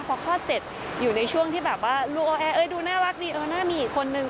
พอคลอดเสร็จอยู่ในช่วงที่แบบว่าดูน่ารักดีน่ามีอีกคนนึง